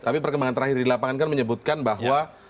tapi perkembangan terakhir di lapangan kan menyebutkan bahwa